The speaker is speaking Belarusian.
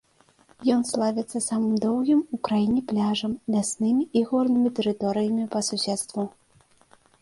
Ён славіцца самым доўгім у краіне пляжам, ляснымі і горнымі тэрыторыямі па суседству.